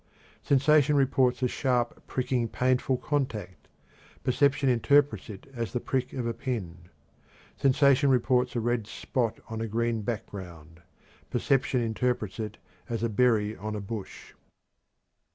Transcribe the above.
Sensation reports a sharp, pricking, painful contact; perception interprets it as the prick of a pin. Sensation reports a red spot on a green background; perception interprets it as a berry on a bush.